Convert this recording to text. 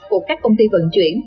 của các công ty vận chuyển